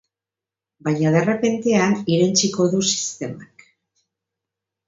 Baina derrepentean irentsiko du sistemak.